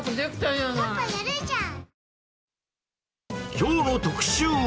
きょうの特集は。